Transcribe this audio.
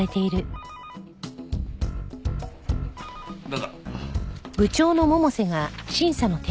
どうぞ。